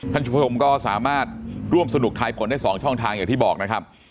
ธรรมก็สามารถร่วมสนุกท้ายผลให้๒ช่องทางเกี่ยวที่บอกนะครับ